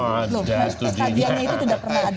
yang itu tidak pernah ada